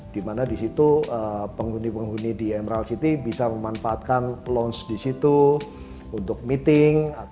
di mana di situ penghuni penghuni di emerald city bisa memanfaatkan lounge di situ untuk meeting